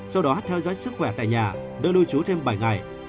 sau đó theo dõi sức khỏe tại nhà nơi lưu trú thêm bảy ngày